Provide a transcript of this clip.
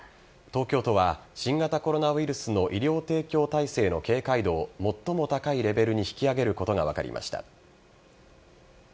東京都は新型コロナウイルスの医療提供体制の警戒度を最も高いレベルに引き上げることが分かりました。